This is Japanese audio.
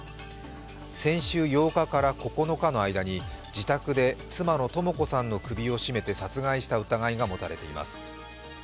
先週８日から９日の間に自宅で妻の智子さんの首を絞めて殺害した疑いが持たれています。